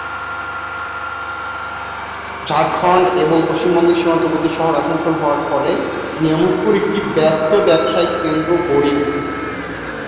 ঝাড়খণ্ড এবং পশ্চিমবঙ্গের সীমান্তবর্তী শহর আসানসোল হওয়ার ফলে নিয়ামতপুর একটি ব্যস্ত ব্যবসায়িক কেন্দ্র গড়ে উঠেছে।